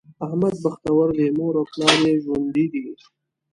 احمد بختور دی؛ مور او پلار یې ژوندي دي.